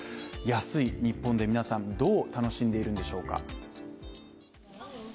安い日本で皆さん、どう楽しんでいるんでしょうか。